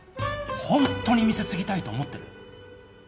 ホントに店継ぎたいと思ってる？